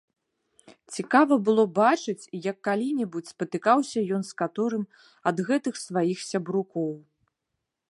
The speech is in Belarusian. Цікава было бачыць, як калі-небудзь спатыкаўся ён з каторым ад гэтых сваіх сябрукоў.